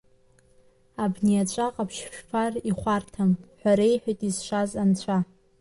Абни аҵәа ҟаԥшь шәфар ихәарҭам, ҳәа реиҳәеит изшаз Анцәа.